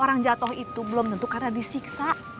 orang jatuh itu belum tentu karena disiksa